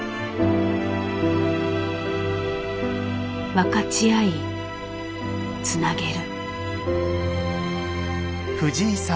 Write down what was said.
分かち合いつなげる。